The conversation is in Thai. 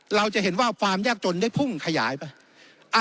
เราจะเห็นว่าความยากจนได้พุ่งขยายไป